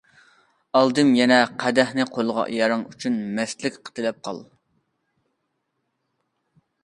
ئالدىم يەنە قەدەھنى قولغا، يارىڭ ئۈچۈن مەستلىك تىلەپ قال.